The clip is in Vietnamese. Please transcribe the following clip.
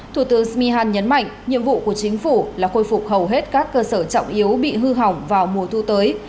thủ tướng smihan nhấn mạnh nhiệm vụ của chính phủ là khôi phục hầu hết các cơ sở trọng yếu bị hư hỏng vào mùa thu tới